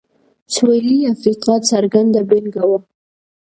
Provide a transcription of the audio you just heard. سوېلي افریقا څرګنده بېلګه وه.